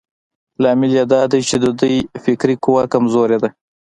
لامل يې دا دی چې د دوی فکري قوه کمزورې ده.